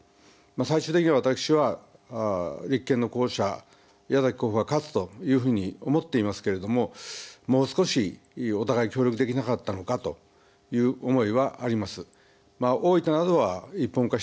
最終的に私は立憲の候補者、矢崎候補が勝つというふうに思っていますけれどももう少しお互い協力できなかったのかという思いはあります。